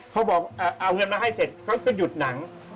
เขาบอกเอาเงินมาให้เสร็จเขาก็หยุดหนัง